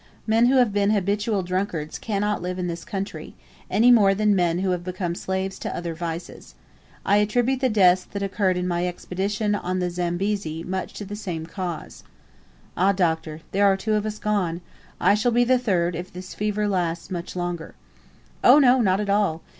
Men who have been habitual drunkards cannot live in this country, any more than men who have become slaves to other vices. I attribute the deaths that occurred in my expedition on the Zambezi to much the same cause." "Ah, Doctor, there are two of us gone. I shall be the third, if this fever lasts much longer." "Oh no, not at all.